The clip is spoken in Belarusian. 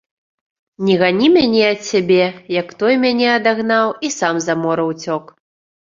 Не гані мяне ад сябе, як той мяне адагнаў і сам за мора ўцёк.